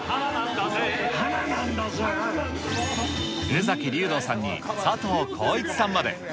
宇崎竜童さんに佐藤浩市さんまで。